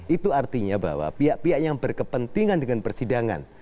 itu artinya bahwa pihak pihak yang berkepentingan dengan persidangan